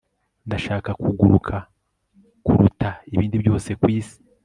ndashaka kuguruka kuruta ibindi byose kwisi